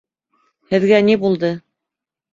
Һеҙгә ни булды?